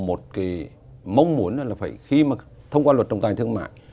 một cái mong muốn là phải khi mà thông qua luật trọng tài thương mại